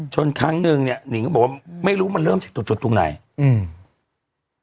ครั้งหนึ่งเนี้ยนิงก็บอกว่าไม่รู้มันเริ่มจากจุดจุดตรงไหนอืม